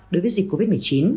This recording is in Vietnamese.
đối với dịch covid một mươi chín